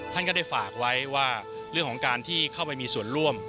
ท่านก็ได้ฝากไว้ว่าเรื่องของการที่เข้าไปมีส่วนร่วม